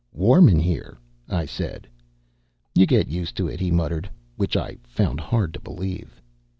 "Warm in here," I said. "You get used to it," he muttered, which I found hard to believe.